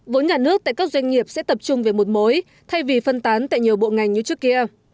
vốn nhà nước tại các doanh nghiệp sẽ tập trung về một mối thay vì phân tán tại nhiều bộ ngành như trước kia